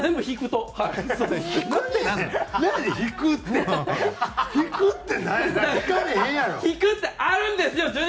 引くってあるんですよ！